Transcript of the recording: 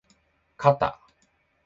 かた